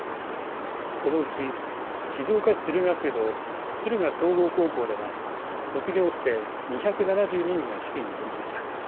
このうち、静岡市駿河区の駿河総合高校では卒業生２７２人が式に臨みました。